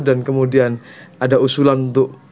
dan kemudian ada usulan untuk